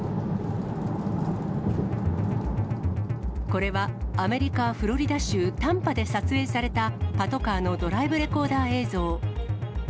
これはアメリカ・フロリダ州タンパで撮影されたパトカーのドライブレコーダー映像。